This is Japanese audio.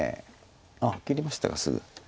あっ切りましたかすぐ。